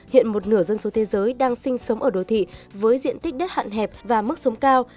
hiện một nửa dân số thế giới đang sinh sống ở đô thị với diện tích đất hạn hẹp và mức sống cao